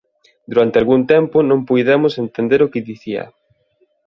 Durante algún tempo non puidemos entender o que dicía.